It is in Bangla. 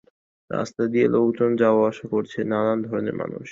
রাস্তা দিয়ে লোকজন যাওয়া-আসা করছে, নানান ধরনের মানুষ।